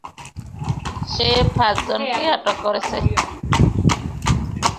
সে পাঁচজনকে আটক করেছে।